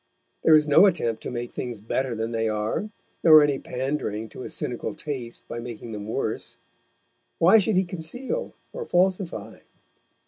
There is no attempt to make things better than they are, nor any pandering to a cynical taste by making them worse. Why should he conceal or falsify?